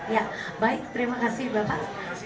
ya baik terima kasih bapak